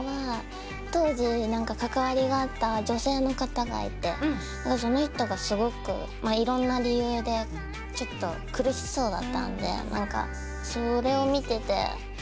当時関わりがあった女性の方がいてその人がすごくいろんな理由で苦しそうだったんでそれを見ててふと曲にしたいなって。